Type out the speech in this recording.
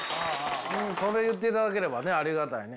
それ言っていただければねありがたいね。